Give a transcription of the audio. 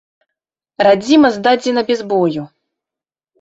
Радзіма здадзена без бою!